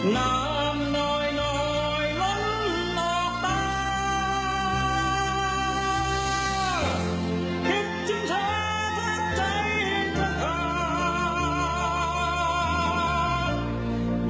ศิลปินทฤษฎี